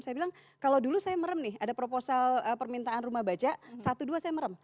saya bilang kalau dulu saya merem nih ada proposal permintaan rumah baca satu dua saya merem